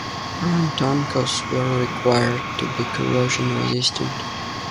Ground anchors were required to be corrosion resistant.